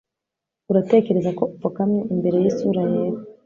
Uratekereza ko upfukamye imbere y'Isura Yera